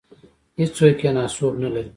هېڅوک یې ناسوب نه لري.